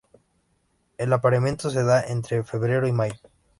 El apareamiento se da entre febrero y mayo.